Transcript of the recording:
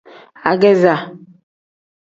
Ageeza.